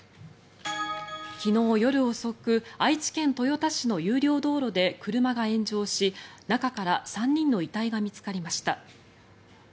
昨日夜遅く愛知県豊田市の有料道路で車が炎上し、中から３人の遺体が見つかりました。